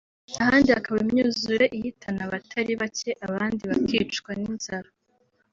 ahandi hakaba imyuzure ihitana abatari bacye abandi bakicwa n’inzara